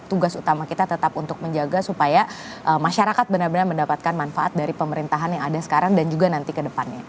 tugas utama kita tetap untuk menjaga supaya masyarakat benar benar mendapatkan manfaat dari pemerintahan yang ada sekarang dan juga nanti ke depannya